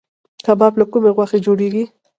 کباب له کومې غوښې جوړیږي؟